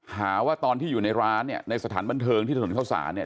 หาว่าตอนที่อยู่ในร้านเนี่ยในสถานบันเทิงที่ถนนเข้าสารเนี่ย